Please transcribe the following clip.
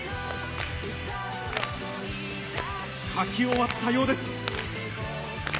書き終わったようです。